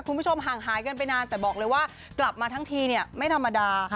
คุณผู้ชมห่างหายกันไปนานแต่บอกเลยว่ากลับมาทั้งทีเนี่ยไม่ธรรมดา